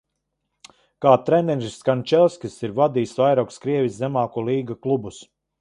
Kā treneris, Kančeļskis ir vadījis vairākus Krievijas zemāko līgu klubus.